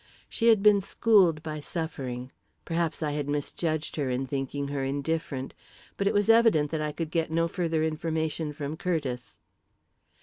She had been schooled by suffering; perhaps I had misjudged her in thinking her indifferent. But it was evident that I could get no further information from Curtiss.